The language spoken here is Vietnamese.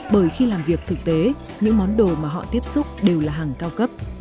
bởi khi làm việc thực tế những món đồ mà họ tiếp xúc đều là hàng cao cấp